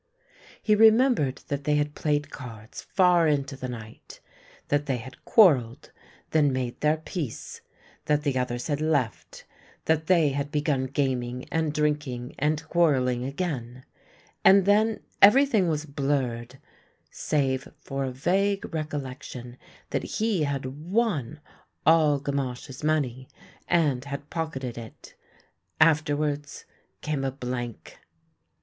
He remembered that they had played cards far into the night; that they had quarrelled, then made their peace; that the others had left; that they had begun gaming and drinking and quarrelling again — and then everything was blurred, save for a vague recollection that he had won all Gamache's money and had pock eted it. Afterwards came a blank.